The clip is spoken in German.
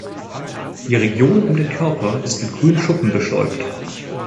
Die Region um den Körper ist mit grünen Schuppen bestäubt.